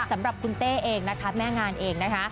สำหรับคุณเต้เองนะคะแม่งานเองนะคะ